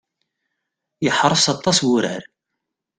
Iḥreṣ aṭas wurar.